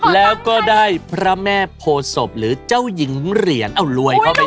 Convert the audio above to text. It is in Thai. แล้วก็ได้พระแม่โพศพหรือเจ้าหญิงเหรียญเอารวยเข้าไป